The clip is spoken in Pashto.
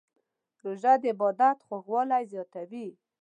روژه د عبادت خوږوالی زیاتوي.